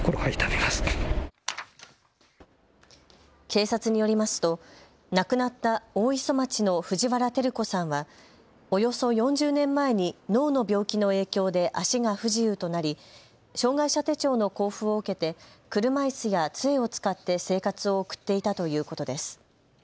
警察によりますと亡くなった大磯町の藤原照子さんはおよそ４０年前に脳の病気の影響で足が不自由となり障害者手帳の交付を受けて車いすやつえを使って生活を送っていたということです。